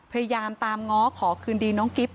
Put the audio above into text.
พยายามตามง้อขอคืนดีน้องกิ๊บ